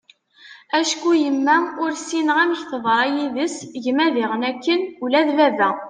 acku yemma ur ssineγ amek teḍṛa yid-s, gma diγen akken, ula d baba